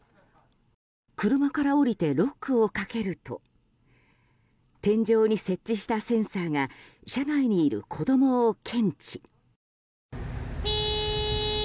車から降りてロックをかけると天井に設置したセンサーが車内にいる子供を検知。